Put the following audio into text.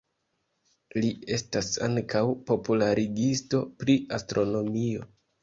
Li estas ankaŭ popularigisto pri astronomio.